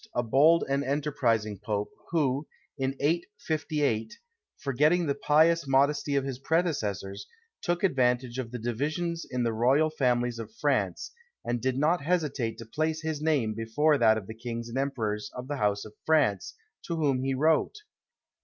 a bold and enterprising Pope, who, in 858, forgetting the pious modesty of his predecessors, took advantage of the divisions in the royal families of France, and did not hesitate to place his name before that of the kings and emperors of the house of France, to whom he wrote.